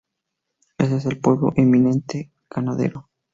Este es un pueblo eminentemente ganadero.